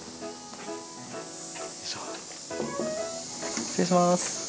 失礼します。